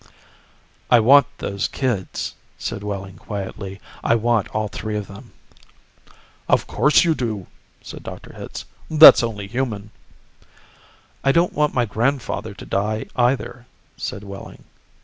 "I want those kids," said Wehling quietly. "I want all three of them." "Of course you do," said Dr. Hitz. "That's only human." "I don't want my grandfather to die, either," said Wehling.